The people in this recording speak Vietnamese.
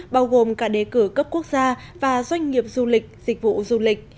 bao gồm cả đề cử cấp quốc gia và doanh nghiệp du lịch dịch vụ du lịch